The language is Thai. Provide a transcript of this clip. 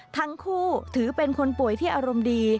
ทั้งคู่ถือเป็นคนป่วยที่อารมณ์ดี